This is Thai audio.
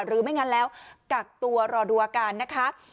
ไม่งั้นแล้วกักตัวรอดูอาการนะคะ